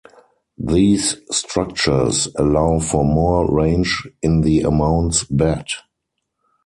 These structures allow for more range in the amounts bet.